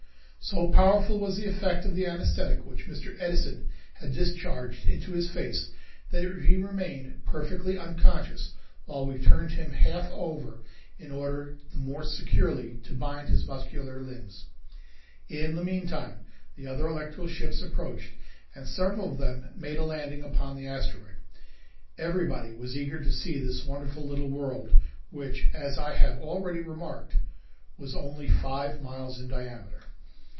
So powerful was the effect of the anaesthetic which Mr. Edison had discharged into his face that he remained perfectly unconscious while we turned him half over in order the more securely to bind his muscular limbs. In the meantime the other electrical ships approached, and several of them made a landing upon the asteroid. Everybody was eager to see this wonderful little world, which, as I have already remarked, was only five miles in diameter.